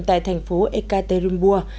tại thành phố ekaterinburg